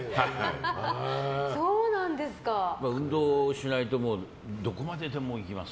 運動しないとどこまででもいきます。